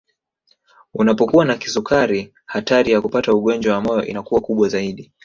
Unapokuwa na kisukari hatari ya kupata ugonjwa wa moyo inakuwa kubwa zaidi